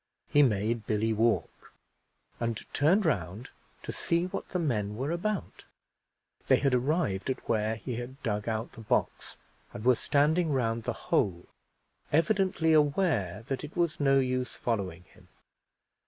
He made Billy walk, and turned round to see what the men were about; they had arrived at where he had dug out the box, and were standing round the hole, evidently aware that it was no use following him.